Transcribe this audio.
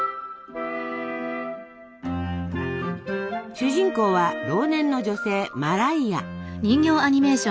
主人公は老年の女性マライア。